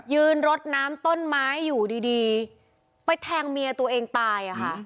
รดน้ำต้นไม้อยู่ดีไปแทงเมียตัวเองตายอะค่ะ